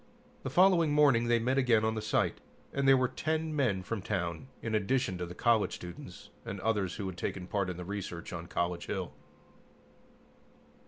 The following morning they met again on the site, and there were ten men from town, in addition to the college students and others who had taken part in the research on College Hill.